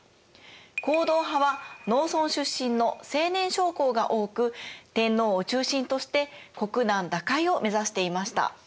皇道派は農村出身の青年将校が多く天皇を中心として国難打開をめざしていました。